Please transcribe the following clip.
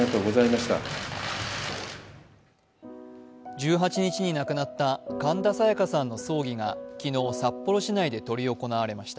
１８日に亡くなった神田沙也加さんの葬儀が昨日、札幌市内で執り行われました